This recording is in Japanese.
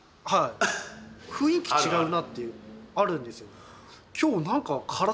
雰囲気違うなってあるんですよ。